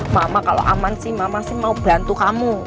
mama kalau aman sih mama sih mau bantu kamu